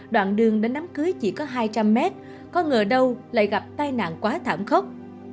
đoạn đường đến đám cưới chỉ có hai trăm linh mét có ngờ đâu lại gặp tai nạn quá thảm khốc